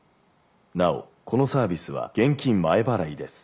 なおこのサービスは現金前払いです」。